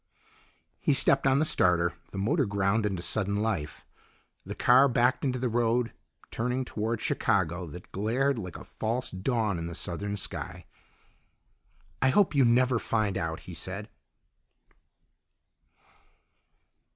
He stepped on the starter; the motor ground into sudden life. The car backed into the road, turning toward Chicago, that glared like a false dawn in the southern sky. "I hope you never find out," he said.